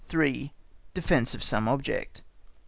Defence of some object.